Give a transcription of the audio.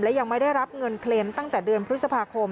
และยังไม่ได้รับเงินเคลมตั้งแต่เดือนพฤษภาคม